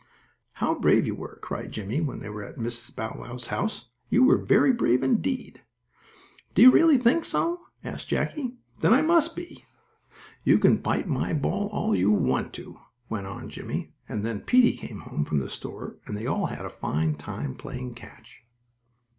"How brave you were!" cried Jimmie, when they were at Mrs. Bow Wow's house. "You were very brave, indeed." "Do you really think so?" asked Jackie. "Then I must be." "You can bite my ball all you want to," went on Jimmie, and then Peetie came home from the store, and they all had a fine time playing catch.